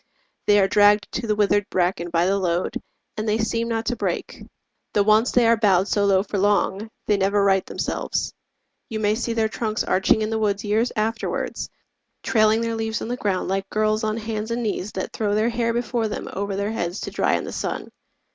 They are dragged to the withered bracken by the load, And they seem not to break; though once they are bowed So low for long, they never right themselves: You may see their trunks arching in the woods Years afterwards, trailing their leaves on the ground Like girls on hands and knees that throw their hair Before them over their heads to dry in the sun.